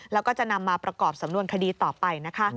แล้วก็จะนำมาประกอบสำนวนคดีต่อไปนะคะ